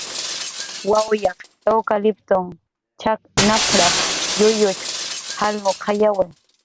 "Wawyaq iwkatliptun chak nap""rap"" kuyyush jalnuqayawi"